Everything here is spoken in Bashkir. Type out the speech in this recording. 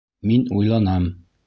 Мин уйланам.